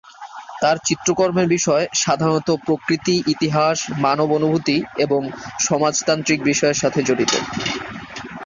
তার চিত্রকর্মের বিষয় সাধারণত প্রকৃতি, ইতিহাস, মানব অনুভূতি, এবং সমাজতান্ত্রিক বিষয়ের সাথে জড়িত।